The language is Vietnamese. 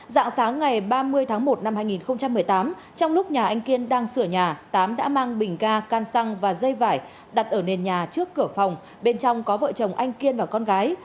dạng sáng ngày ba mươi tháng một năm hai nghìn một mươi tám trong lúc nhà anh kiên đang sửa nhà tám đã mang bình ga can xăng và dây vải đặt ở nền nhà trước cửa phòng bên trong có vợ chồng anh kiên và con gái